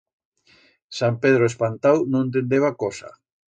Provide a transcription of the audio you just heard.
Sant Pedro, espantau, no entendeba cosa.